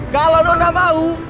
kalau nona mau